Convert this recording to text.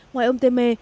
ngoài ông temer